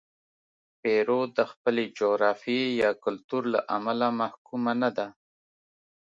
پیرو د خپلې جغرافیې یا کلتور له امله محکومه نه ده.